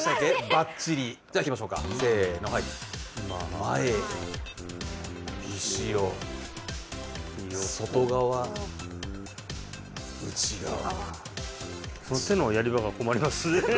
バッチリじゃあいきましょうかせのはい前後ろ外側内側手のやり場が困りますね